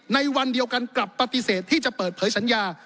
ในวันเดียวกันกลับปฏิเสธที่จะเปิดเผยสัญญา